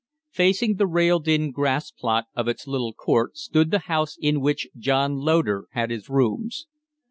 Facing the railed in grass plot of its little court stood the house in which John Loder had his rooms.